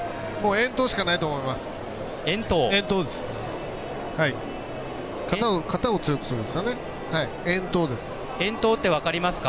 遠投しかないと思います。